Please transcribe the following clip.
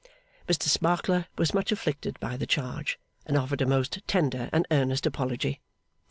Mr Sparkler was much afflicted by the charge, and offered a most tender and earnest apology.